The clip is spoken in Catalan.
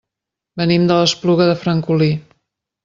Venim de l'Espluga de Francolí.